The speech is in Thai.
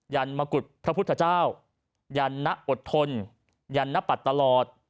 ันมกุฎพระพุทธเจ้ายันนะอดทนยันนปัดตลอด